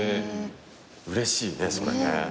うれしいねそれね。